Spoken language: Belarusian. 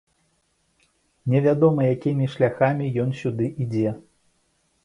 Невядома, якімі шляхамі ён сюды ідзе.